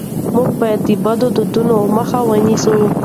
موږ باید د بدو دودونو مخه ونیسو.